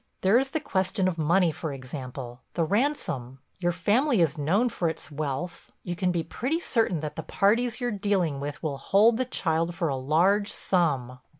There is the question of money for example—the ransom. Your family is known for its wealth. You can be pretty certain that the parties you're dealing with will hold the child for a large sum."